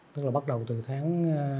tức là bắt đầu từ tháng